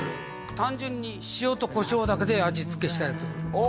単純に塩とコショウだけで味付けしたやつあ